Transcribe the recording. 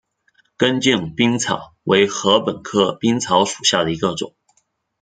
根茎冰草为禾本科冰草属下的一个种。